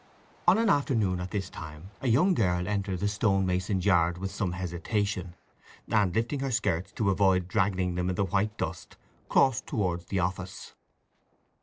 On an afternoon at this time a young girl entered the stone mason's yard with some hesitation, and, lifting her skirts to avoid draggling them in the white dust, crossed towards the office.